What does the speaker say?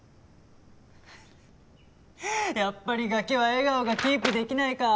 やっぱりガキは笑顔がキープできないか。